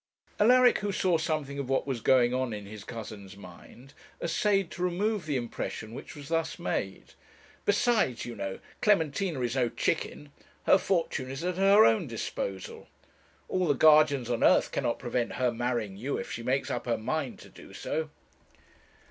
Alaric, who saw something of what was going on in his cousin's mind, essayed to remove the impression which was thus made. 'Besides, you know, Clementina is no chicken. Her fortune is at her own disposal. All the guardians on earth cannot prevent her marrying you if she makes up her mind to do so.'